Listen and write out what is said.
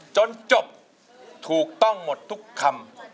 จนจบถูกต้องหมดทุกคำ